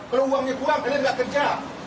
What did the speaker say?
kalau uangnya uang kalian nggak kerja